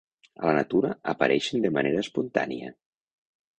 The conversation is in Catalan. A la natura apareixen de manera espontània.